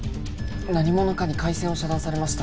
何者かに回線を遮断されました